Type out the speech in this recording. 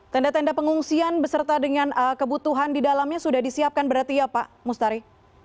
tenda tenda pengungsian beserta dengan kebutuhan di dalamnya sudah disiapkan berarti ya pak mustari